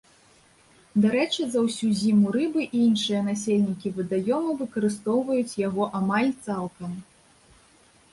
Дарэчы, за ўсю зіму рыбы і іншыя насельнікі вадаёма выкарыстоўваюць яго амаль цалкам.